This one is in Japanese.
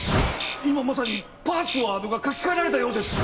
今まさにパスワードが書き換えられたようです！